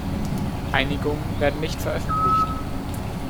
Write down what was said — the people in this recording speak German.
Einigungen werden nicht veröffentlicht.